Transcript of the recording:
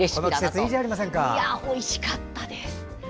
もう、おいしかったです！